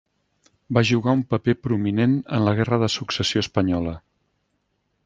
Va jugar un paper prominent en la Guerra de Successió Espanyola.